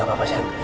jangan panik ya na